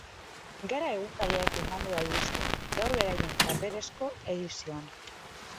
Gara egunkariak eman du albistea gaur beraien paperezko edizioan.